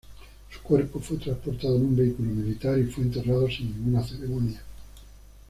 Su cuerpo fue transportado en un vehículo militar y fue enterrado sin ninguna ceremonia.